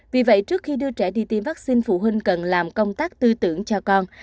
vì vậy trước khi đưa trẻ đi tiêm vaccine phụ huynh cần làm công tác tư tưởng cho con